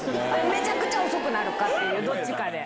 めちゃくちゃ遅くなるかどっちかで。